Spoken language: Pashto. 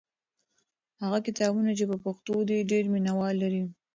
هغه کتابونه چې په پښتو دي ډېر مینه وال لري.